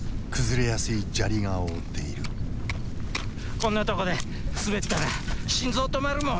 こんなとこで滑ったら心臓止まるもん！